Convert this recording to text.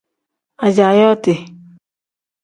Ajaa yooti.